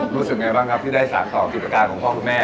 รู้สึกไงบ้างครับที่ได้สารต่อกิจการของพ่อคุณแม่